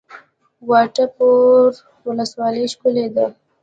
وټه پور ولسوالۍ ښکلې ده؟